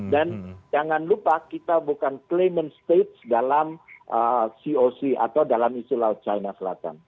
dan jangan lupa kita bukan klaiman state dalam coc atau dalam isu laut china selatan